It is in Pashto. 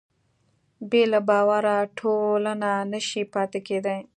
بې له باور ټولنه نهشي پاتې کېدی.